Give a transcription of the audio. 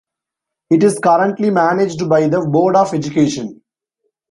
It is currently managed by the Board of Education.